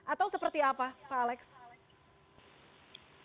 atau seperti apa pak alex